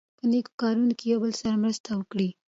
په نېکو کارونو کې یو بل سره مرسته وکړئ.